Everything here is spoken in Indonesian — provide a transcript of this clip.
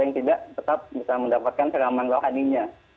kalau tidak tetap bisa mendapatkan keraman wadinya